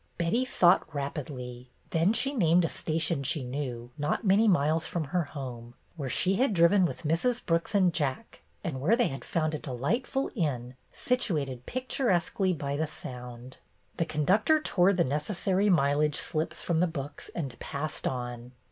Betty thought rapidly. Then she named a station she knew, not many miles from her home, where she had driven with Mrs. Brooks and Jack and where they had found a delight ful inn, situated picturesquely by the Sound. The conductor tore the necessary mileage slips from the books and passed on.